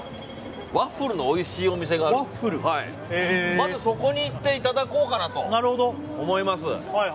まずそこに行っていただこうかと思います。